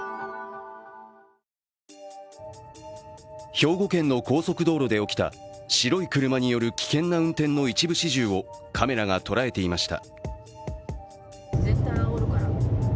兵庫県の高速道路で起きた白い車による危険な運転の一部始終をカメラが捉えていました。